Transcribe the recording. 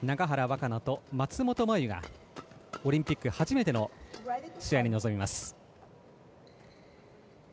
可那と松本麻佑がオリンピック初めての試合に臨みます。